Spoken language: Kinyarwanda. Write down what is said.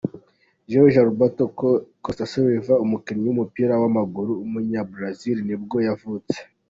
Jorge Alberto da Costa Silva, umukinnyi w’umupira w’amaguru w’umunyabrazil nibwo yavutse.